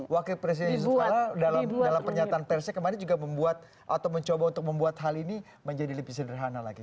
wakil presiden yusuf kala dalam pernyataan persnya kemarin juga membuat atau mencoba untuk membuat hal ini menjadi lebih sederhana lagi